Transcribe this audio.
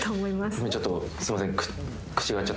今ちょっとすいません